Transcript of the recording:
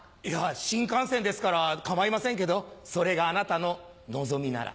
新幹線ですから構いませんけどそれがあなたのノゾミなら。